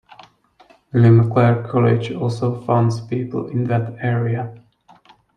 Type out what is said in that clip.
William Clarke College also funds people in that area.